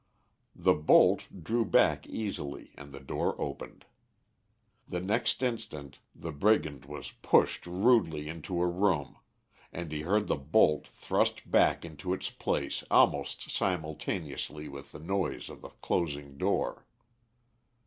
The bolt drew back easily, and the door opened. The next instant the brigand was pushed rudely into a room, and he heard the bolt thrust back into its place almost simultaneously with the noise of the closing door.